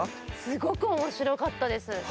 すごく面白かったです。